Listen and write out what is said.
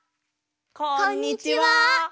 こんにちは。